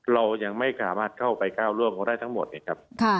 เรายังไม่สามารถเข้าไปก้าวร่วงได้ทั้งหมดนะครับ